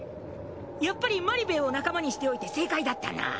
やっぱりマリべえを仲間にしておいて正解だったな。